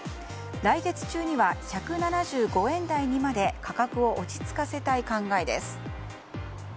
来月中には１７５円台にまで価格を落ち着かせたい考えです。